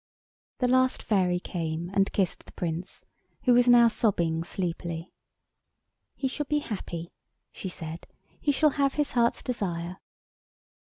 The last fairy came and kissed the Prince, who was now sobbing sleepily. "He shall be happy," she said; "he shall have his heart's desire."